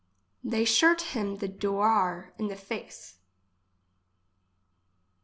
They shurt him the doar in face.